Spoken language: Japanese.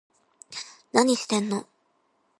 何してんの